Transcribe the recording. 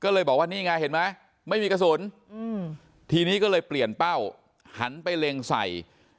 ก็เลยบอกว่านี่ไงเห็นไหมไม่มีกระสุนทีนี้ก็เลยเปลี่ยนเป้าหันไปเล็งใส่